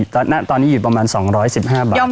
ตอนนี้อยู่ประมาณ๒๑๕บาท